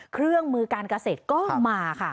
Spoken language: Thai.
เครื่องมือการเกษตรก็มาค่ะ